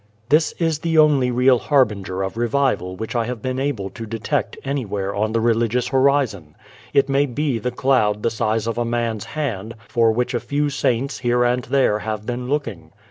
This is the only real harbinger of revival which I have been able to detect anywhere on the religious horizon. It may be the cloud the size of a man's hand for which a few saints here and there have been looking.